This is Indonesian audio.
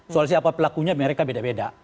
soal siapa pelakunya mereka beda beda